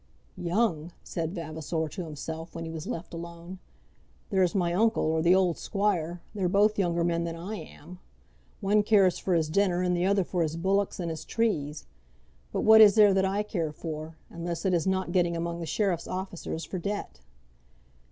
"Young!" said Vavasor to himself, when he was left alone. "There's my uncle, or the old squire, they're both younger men than I am. One cares for his dinner, and the other for his bullocks and his trees. But what is there that I care for, unless it is not getting among the sheriff's officers for debt?"